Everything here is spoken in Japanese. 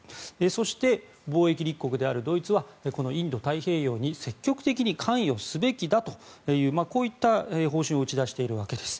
そして、貿易立国であるドイツはこのインド太平洋に積極的に関与すべきだというこういった方針を打ち出しているわけです。